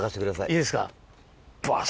いいですか。